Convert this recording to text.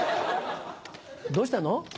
どうしたの？